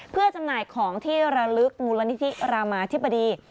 เพื่อจำหน่ายของที่ระลึกมูลนิธิรามาธิบดี